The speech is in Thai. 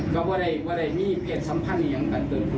ก็ไม่ได้มีเพศสัมพันธ์อย่างกันเกิดขึ้น